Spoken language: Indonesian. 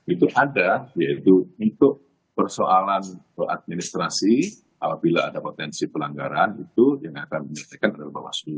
itu ada yaitu untuk persoalan administrasi apabila ada potensi pelanggaran itu yang akan menyelesaikan adalah bawaslu